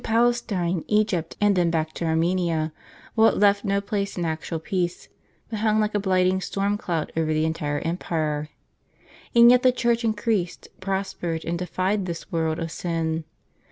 Palestine, Egypt, and then back to Armenia, while it left no place in actual peace, but hung like a blighting storm cloud over the entire empire. And yet the Church increased, prospered, and defied this world of sin.